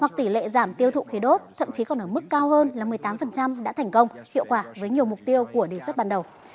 hoặc tỷ lệ giảm tiêu thụ khí đốt thậm chí còn ở mức cao hơn là một mươi tám đã thành công hiệu quả với nhiều mục tiêu của đề xuất ban đầu